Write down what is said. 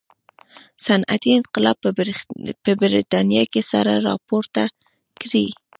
صنعتي انقلاب په برېټانیا کې سر راپورته کړي.